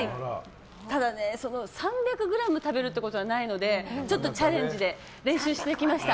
ただね、３００ｇ食べるっていうことがないのでちょっとチャレンジで練習してきました。